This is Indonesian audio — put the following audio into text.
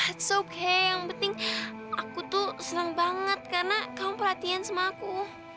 it's okay yang penting aku tuh senang banget karena kamu pelatihan sama aku